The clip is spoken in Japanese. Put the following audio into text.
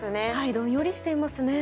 どんよりしていますね。